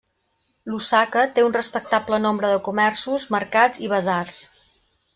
Lusaka té un respectable nombre de comerços, mercats i basars.